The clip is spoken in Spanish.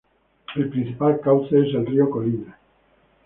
El principal cauce es el Río Colina.